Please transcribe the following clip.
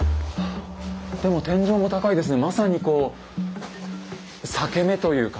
でも天井も高いですね。